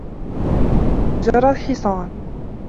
جَرَى الْحِصَانُ.